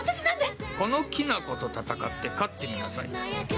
この、きなこと戦って勝ってみなさい。